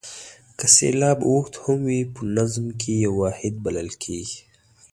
که سېلاب اوږد هم وي په نظم کې یو واحد بلل کیږي.